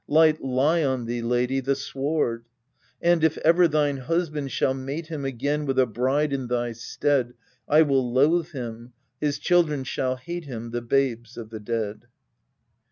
Light lie on thee, lady, the sward ! And, if ever thine husband shall mate him Again with a bride in thy stead, 1 will loathe him, his children shall hate him, The babes of the dead.